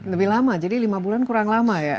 lebih lama jadi lima bulan kurang lama ya